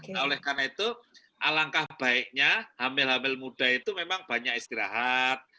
nah oleh karena itu alangkah baiknya hamil hamil muda itu memang banyak istirahat